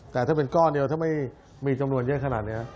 แต่ถ้าเป็นก้อนเดียวถ้าไม่มีจำนวนเยอะขนาดนี้